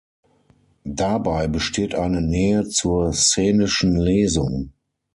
Dabei besteht eine Nähe zur szenischen Lesung.